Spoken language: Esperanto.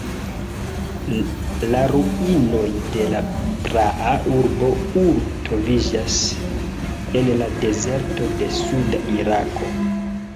La ruinoj de la praa urbo Ur troviĝas en la dezerto de suda Irako.